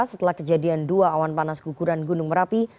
setelah kejadian dua awan panas guguran gunung merapi